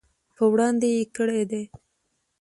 په وړاندې یې کړي دي.